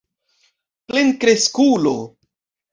plenkreskulo